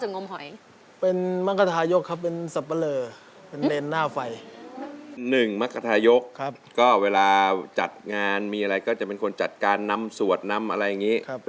เช็กห้องเย็นลงเย็นของแชร์ศพ